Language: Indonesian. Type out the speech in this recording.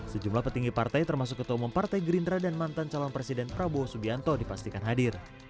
sejumlah petinggi partai termasuk ketua umum partai gerindra dan mantan calon presiden prabowo subianto dipastikan hadir